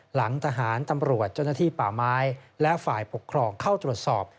หลังทหารตำรวจเจ้าหน้าที่ป่าไม้และฝ่ายปกครองเข้าตรวจสอบ